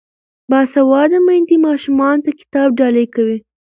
باسواده میندې ماشومانو ته کتاب ډالۍ کوي.